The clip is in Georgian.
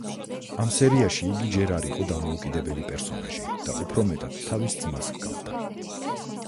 ამ სერიაში იგი ჯერ არ იყო დამოუკიდებელი პერსონაჟი და უფრო მეტად თავის ძმას ჰგავდა.